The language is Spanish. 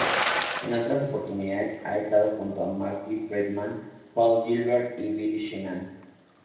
En otras oportunidades ha estado junto a Marty Friedman, Paul Gilbert y Billy Sheehan.